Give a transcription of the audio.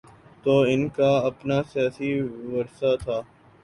تو ان کا اپنا سیاسی ورثہ تھا۔